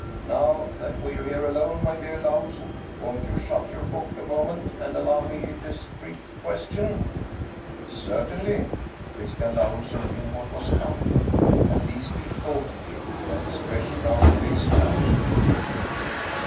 Now that we're here alone, my dear Lahusen, won't you shut your book a moment, and allow me a discreet ques tion?" " Certainly." Christian Lahusen knew what was com 22 Dietrich Theden ing. At least, he thought he did, and his fresh round face flushed.